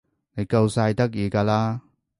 你夠晒得意㗎啦